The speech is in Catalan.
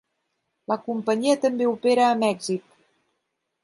La companyia també opera a Mèxic.